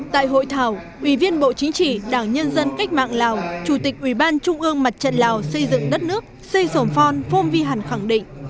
tại hội thảo ủy viên bộ chính trị đảng nhân dân cách mạng lào chủ tịch ủy ban trung ương mặt trận lào xây dựng đất nước xây sổm phon phong vi hẳn khẳng định